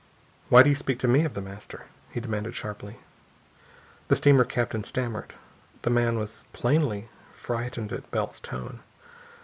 "Why do you speak to me of The Master?" he demanded sharply. The steamer captain stammered. The man was plainly frightened at Bell's tone.